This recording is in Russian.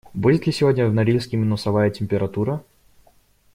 Будет ли сегодня в Норильске минусовая температура?